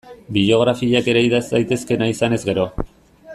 Biografiak ere idatz daitezke nahi izanez gero.